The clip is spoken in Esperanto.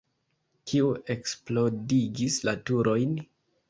Kiu eksplodigis la turojn?